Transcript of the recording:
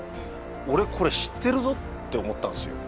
俺これ知ってるぞって思ったんすよ